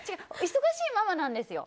忙しいママなんですよ。